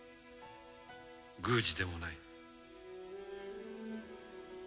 宮司でもない。